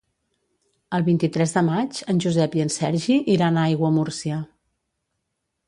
El vint-i-tres de maig en Josep i en Sergi iran a Aiguamúrcia.